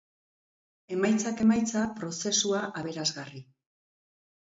Emaitzak emaitza, prozesua aberasgarri.